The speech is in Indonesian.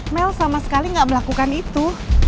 mel sama sekali nggak melakukan itu